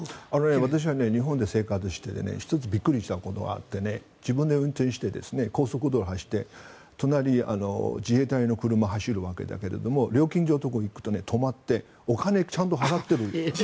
私は日本で生活していて１つ、びっくりしたことがあって自分で運転して高速道路を走って隣に自衛隊の車が走るわけだけど料金所に行くと止まってお金をちゃんと払っている。